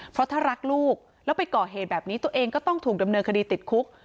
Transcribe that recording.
เพราะถ้ารักลูกแล้วไปก่อเหตุแบบนี้ตัวเองก็ต้องถูกดำเนินคดีติดคุก